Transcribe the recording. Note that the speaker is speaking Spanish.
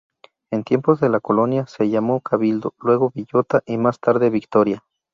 En tiempos de la colonia se llamó Cabildo, luego Villota y más tarde Victoria.